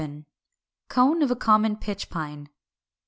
411. Cone of a common Pitch Pine.